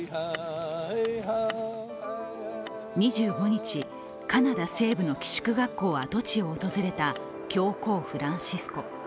２５日、カナダ西部の寄宿学校跡地を訪れた教皇・フランシスコ。